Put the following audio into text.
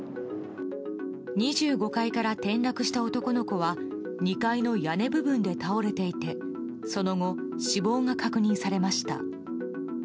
２５階から転落した男の子は２階の屋根部分で倒れていてその後、死亡が確認されました。